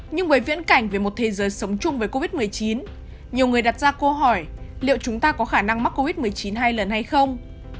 nhưng với viễn cảnh về một thế giới sống chung với covid một mươi chín nhiều người đặt ra câu hỏi liệu chúng ta có khả năng mắc covid một mươi chín hai lần hay không